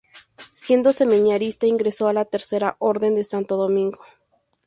Siendo seminarista ingresó a la Tercera Orden de Santo Domingo.